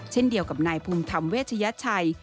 เช่นเดียวกับนายภูมิธรรมเวชยชัย